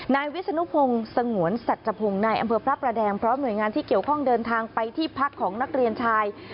นายวิศนุพงศ์สงวนสัจพงศ์นายอำเภอพระประแดงพร้อมหน่วยงานที่เกี่ยวข้องเดินทางไปที่พักของนักเรียนชาย